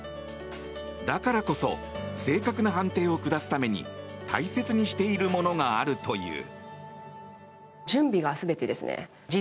だからこそ正確な判定を下すために大切にしているものがあるという。